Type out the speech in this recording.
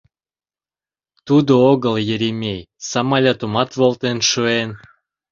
Тудо огыл, Еремей, самолётымат волтен шуэн!..